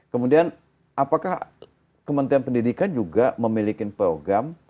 kemudian apakah kementerian pendidikan juga memiliki program